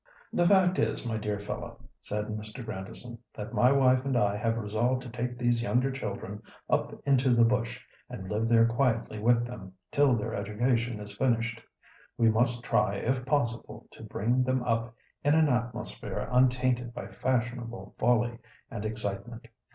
"The fact is, my dear fellow," said Mr. Grandison, "that my wife and I have resolved to take these younger children up into the bush and live there quietly with them till their education is finished. We must try if possible to bring them up in an atmosphere untainted by fashionable folly and excitement.